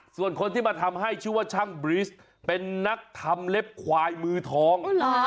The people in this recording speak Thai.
ส่วนคนที่มาทำให้ชื่อว่าช่างบริสเป็นนักทำเล็บควายมือทอง